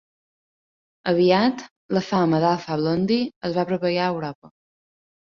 Aviat, la fama d'Alpha Blondy es va propagar a Europa.